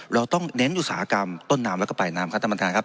เราต้องเน้นอุตสาหกรรมต้นน้ำแล้วก็ปลายน้ำครับ